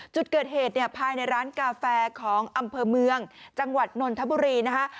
จุดเกิดเหตุเนี่ยภายในร้านกาแฟของอำเภอเมืองจังหวัดนนทบุรีนะคะ